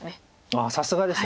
ああさすがです。